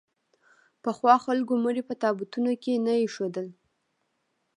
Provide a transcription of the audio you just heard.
پخوا خلکو مړي په تابوتونو کې نه اېښودل.